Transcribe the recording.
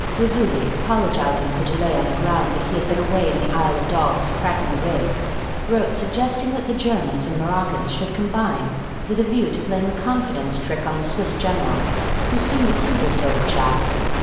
Raisuli, apologising for delay on the ground that he had been away in the Isle of Dogs cracking a crib, wrote suggesting that the Germans and Moroccans should combine with a view to playing the Confidence Trick on the Swiss general, who seemed a simple sort of chap.